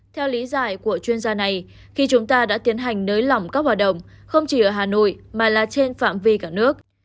theo lý giải của chuyên gia này khi chúng ta đã tiến hành nới lỏng các hoạt động không chỉ ở hà nội mà là trên phạm vi cả nước